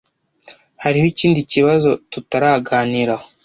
Hariho ikindi kibazo tutaraganiraho.